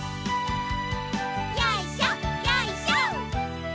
よいしょよいしょ。